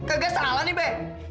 lu nggak salah nih be